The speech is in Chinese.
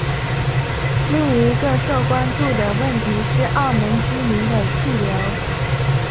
另一个受关注的问题是澳门居民的去留。